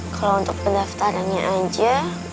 kalau untuk pendaftarannya aja